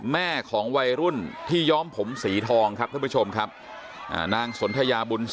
แม่ของวัยรุ่นที่ย้อมผมสีทองครับท่านผู้ชมครับนางสนทยาบุญ